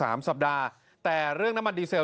นายกเศรษฐาตอบอย่างไรลองฟังดูครับ